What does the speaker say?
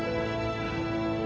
うん。